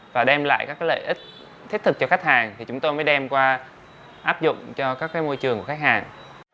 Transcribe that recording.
và đem lại các lợi ích thiết thực cho khách hàng thì chúng tôi mới đem qua áp dụng cho các môi trường của khách hàng